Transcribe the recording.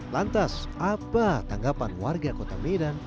lantas apa tanggapan warga kota medan